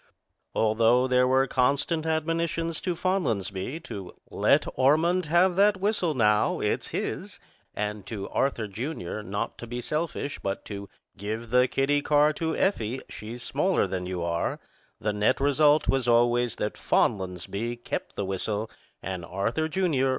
Although there were constant admonitions to Fonlansbee to "Let Ormond have that whistle now; it's his," and to Arthur, Jr., not to be selfish, but to "give the kiddie car to Effie; she's smaller than you are," the net result was always that Fonlansbee kept the whistle and Arthur, Jr.